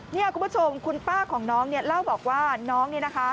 เนี่ยคุณผู้ชมคุณป้าของน้องเนี่ยเล่าบอกว่าน้องนี่นะคะ